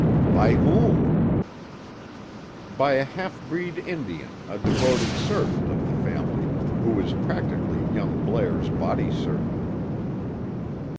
"By whom?" "By a half breed Indian, a devoted servant of the family, who was practically young Blair's body servant."